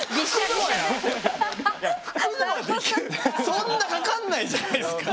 そんなかかんないじゃないっすか！